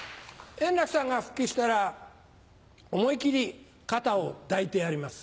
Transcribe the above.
円楽さんが復帰したら思い切り肩を抱いてやります。